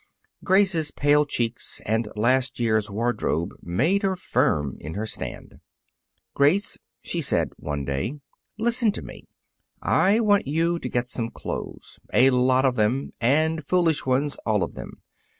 Grace's pale cheeks and last year's wardrobe made her firm in her stand. "Grace," she said, one day, "listen to me: I want you to get some clothes a lot of them, and foolish ones, all of them.